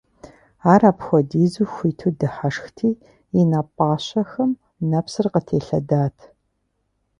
Ар апхуэдизу хуиту дыхьэшхти, и нэ пӀащэхэм нэпсыр къытелъэдат.